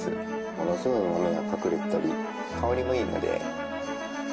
ものすごいうまみが隠れてたり香りもいいので。